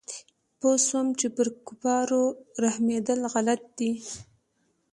پوه سوم چې پر کفارو رحمېدل غلط دي.